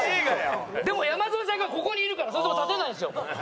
でも山添さんがここにいるからそいつも立てないんですよ。